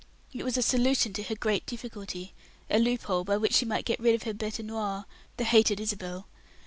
It was a solution to her great difficulty, a loophole by which she might get rid of her bete noire, the hated Isabel.